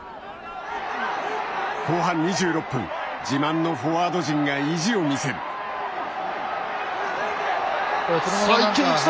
後半２６分自慢のフォワード陣が意地を見せる。